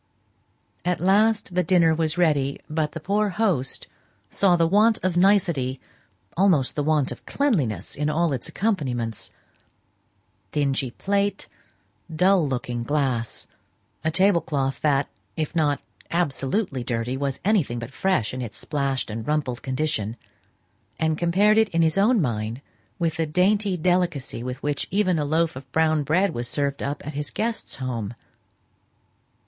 At last dinner was ready, but the poor host saw the want of nicety almost the want of cleanliness, in all its accompaniments dingy plate, dull looking glass, a table cloth that, if not absolutely dirty, was anything but fresh in its splashed and rumpled condition, and compared it in his own mind with the dainty delicacy with which even a loaf of brown bread was served up at his guest's home.